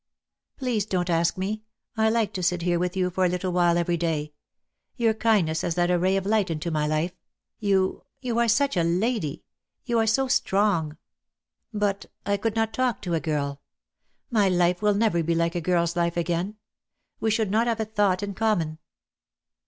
"Please don't ask me, I like to sit here with you for a little while every day. Your kindness has let a ray of light into my life. You — you are such a lady; you are so strong. But I could 32 DEAD LOVE HAS CHAINS. not talk to a girl. My life will never be like a girl's life again. We should not have a thought in common."